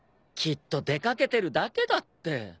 きっと出掛けてるだけだって。